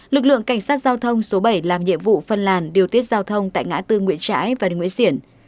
lực lượng cảnh sát giao thông số bảy làm nhiệm vụ phân làn điều tiết giao thông tại ngã tư nguyễn trãi và đường nguyễn xiển